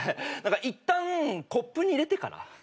いったんコップに入れてから。